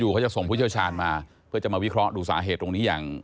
เขาจะส่งผู้เชี่ยวชาญมาเพื่อจะมาวิเคราะห์ดูสาเหตุตรงนี้อย่าง